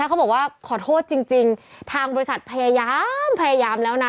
เขาบอกว่าขอโทษจริงทางบริษัทพยายามพยายามแล้วนะ